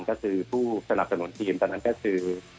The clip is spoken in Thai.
ก็คือผู้สนับสนุนทีมตอนนั้นก็คือ